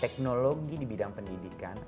teknologi di bidang pendidikan